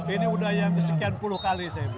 ini udah yang sekian puluh kali saya bikin